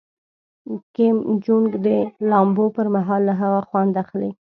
کیم جونګ د لامبو پر مهال له هغه خوند اخلي.